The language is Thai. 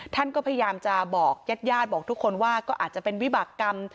ท่านก็พยายามจะบอกญาติญาติบอกทุกคนว่าก็อาจจะเป็นวิบากรรม